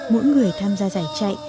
mỗi người tham gia giải chạy